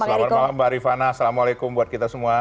selamat malam mbak rifana assalamualaikum buat kita semua